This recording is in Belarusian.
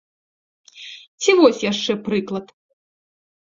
Ці вось яшчэ прыклад.